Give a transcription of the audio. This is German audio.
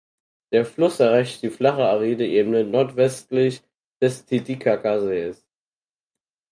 Der Fluss erreicht die flache aride Ebene nordwestlich des Titicacasees.